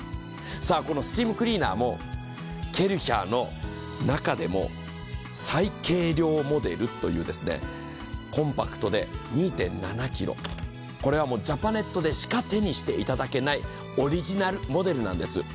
このスチームクリーナー、ケルヒャーの中でも最軽量モデルという、コンパクトで２．７ｋｇ、これはジャパネットでしか手にしていただけないオリジナルモデルです。